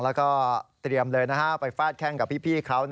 แล้วก็เตรียมเลยไปฟาดแข้งกับพี่เขา